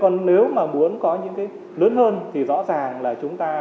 còn nếu mà muốn có những cái lớn hơn thì rõ ràng là chúng ta